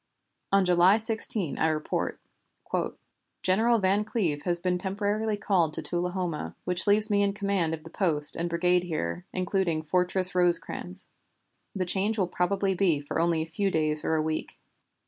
On July 16 I report: "General Van Cleve has been called temporarily to Tullahoma, which leaves me in command of the post and brigade here, including Fortress Rosecrans. The change will probably be only for a few days or a week.